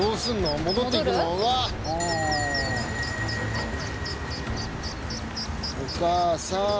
お母さん。